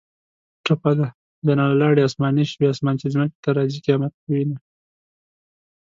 ټپه ده: جانانه لاړې اسماني شوې اسمان چې ځمکې ته راځي قیامت به وینه